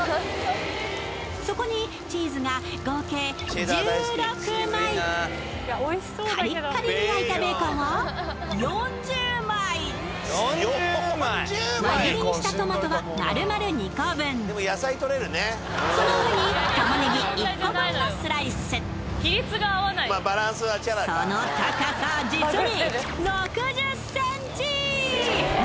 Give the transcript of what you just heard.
そこにチーズが合計１６枚カリッカリに焼いたベーコンを４０枚輪切りにしたトマトは丸々２個分その上にタマネギ１個分のスライスその高さ実に６０ｃｍ！